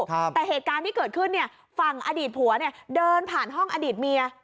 แต่เหตุการณ์ที่เกิดขึ้นเนี่ยฝั่งอดีตผัวเนี่ยเดินผ่านห้องอดีตเมีย